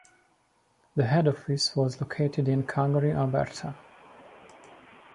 The head office was located in Calgary, Alberta.